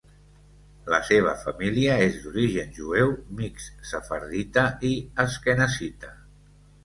La seva família és d'origen jueu mixt sefardita i asquenazita.